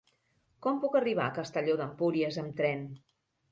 Com puc arribar a Castelló d'Empúries amb tren?